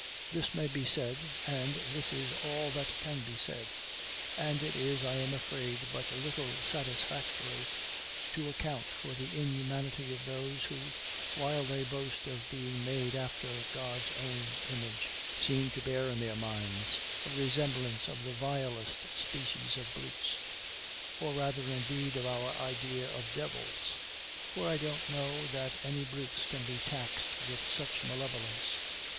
This may be said, and this is all that can be said; and it is, I am afraid, but little satisfactory to account for the inhumanity of those who, while they boast of being made after God's own image, seem to bear in their minds a resemblance of the vilest species of brutes; or rather, indeed, of our idea of devils; for I don't know that any brutes can be taxed with such malevolence.